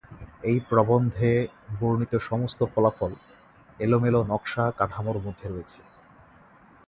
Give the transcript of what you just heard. এই প্রবন্ধে বর্ণিত সমস্ত ফলাফল এলোমেলো নকশা কাঠামোর মধ্যে রয়েছে।